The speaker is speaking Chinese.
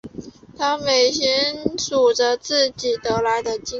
他们每天数自己得来的金子。